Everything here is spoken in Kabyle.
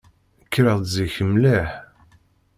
Kkreɣ-d zik mliḥ.